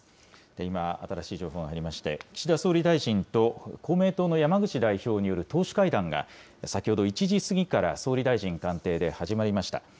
今、新しい情報が入りまして、岸田総理大臣と公明党の山口代表による党首会談が、先ほど１時過ぎから総理大臣官邸で始まりました。